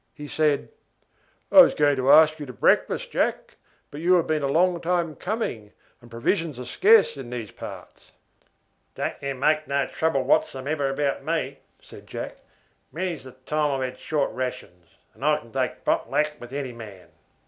He said: "I am going to ask you to breakfast, Jack; but you have been a long time coming, and provisions are scarce in these parts." "Don't you make no trouble whatsomever about me," said Jack. "Many's the time I've hadshort rations, and I can take pot luck with any man."